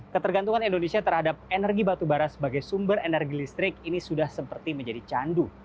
ketergantungan indonesia terhadap energi batu bara sebagai sumber energi listrik ini sudah seperti menjadi candu